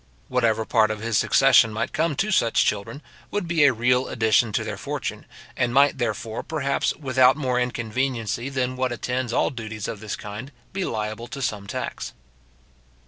Whatever part of his succession might come to such children, would be a real addition to their fortune, and might, therefore, perhaps, without more inconveniency than what attends all duties of this kind, be liable to some tax.